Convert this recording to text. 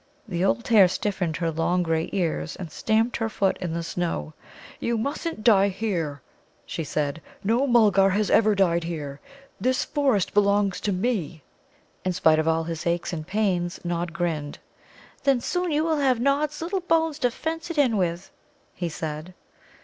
The old hare stiffened her long grey ears, and stamped her foot in the snow. "You mustn't die here," she said. "No Mulgar has ever died here. This forest belongs to me." In spite of all his aches and pains, Nod grinned. "Then soon you will have Nod's little bones to fence it in with," he said.